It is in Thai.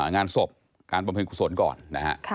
งานศพการประเภทส่วนก่อนนะครับ